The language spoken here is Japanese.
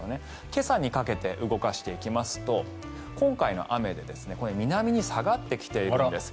今朝にかけて動かしていきますと今回の雨で南に下がってきているんです。